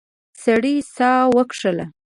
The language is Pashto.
سړی ساه وکیښله.